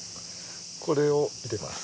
これを入れます。